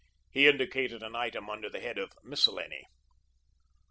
He indicated an item under the head of "Miscellany."